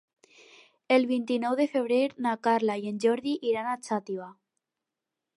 El vint-i-nou de febrer na Carla i en Jordi iran a Xàtiva.